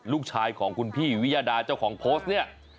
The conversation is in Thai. ลูกชายของคุณพี่วิยดาเจ้าของโพสต์เนี่ย